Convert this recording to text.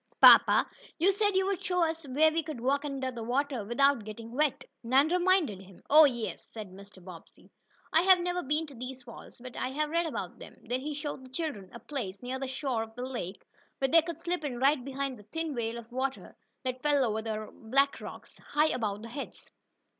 "Papa, you said you would show us where we could walk under the water without getting wet," Nan reminded him. "Oh, yes," said Mr. Bobbsey. "I have never been to these falls, but I have read about them." Then he showed the children a place, near the shore of the lake, where they could slip in right behind the thin veil of water that fell over the black rocks, high above their heads.